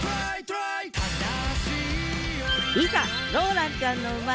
いざローランちゃんの生まれ